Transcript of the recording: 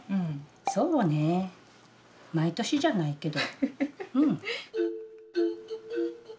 そうね毎年じゃないけど。